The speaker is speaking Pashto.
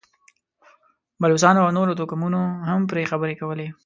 بلوڅانو او نورو توکمونو هم پرې خبرې کولې.